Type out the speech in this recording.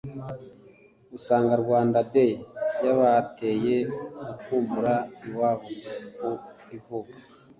usanga Rwanda Day yabateye gukumbura iwabo ku ivuko